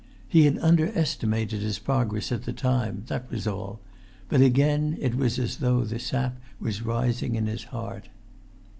He had under estimated his progress at the time; that was all; but again it was as though the sap was rising in his heart.